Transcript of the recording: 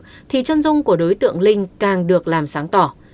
các phân dung của đối tượng linh càng được làm sáng tỏ